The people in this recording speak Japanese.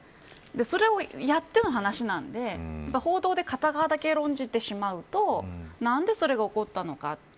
それをやっての話なので報道で片側だけ論じてしまうとなんでそれが起こったのか。